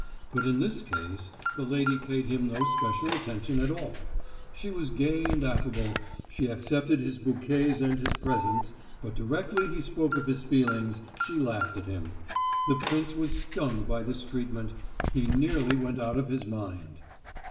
But in this case the lady paid him no special attention at all. She was gay and affable, she accepted his bouquets and his presents, but directly he spoke of his feelings she laughed at him. The prince was stung by this treatment. He nearly went out of his mind.